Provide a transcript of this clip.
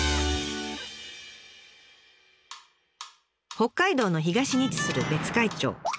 北海道の東に位置する別海町。